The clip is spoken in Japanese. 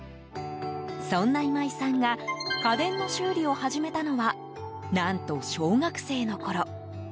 そんな今井さんが家電の修理を始めたのは何と、小学生のころ。